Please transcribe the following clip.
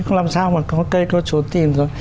thế làm sao mà có cây trốn tìm rồi